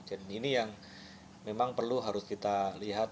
jadi ini yang memang perlu harus kita lihat